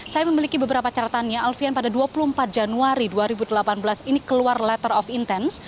saya memiliki beberapa caratannya alfian pada dua puluh empat januari dua ribu delapan belas ini keluar letter of intens